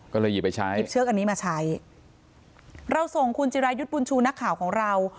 ก็เลยหยิบไปใช้หยิบเชือกอันนี้มาใช้เราส่งคุณจิรายุทธ์บุญชูนักข่าวของเรา